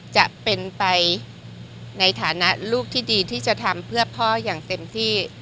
จะเป็นไปในฐานะลูกที่ดีที่จะทำเพื่อพ่ออย่างเต็มที่